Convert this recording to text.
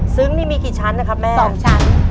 ซึ้งนี่มีกี่ชั้นนะครับแม่๒ชั้น